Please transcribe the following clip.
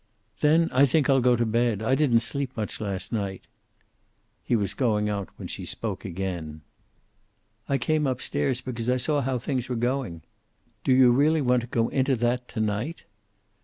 "Then I think I'll go to bed. I didn't sleep much last night." He was going out when she spoke again. "I came up stairs because I saw how things were going." "Do you really want to go into that, to night?"